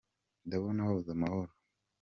Ndabona wabuze amahoro.